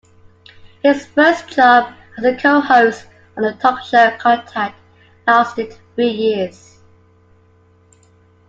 His first job, as a co-host on the talk show "Contact", lasted three years.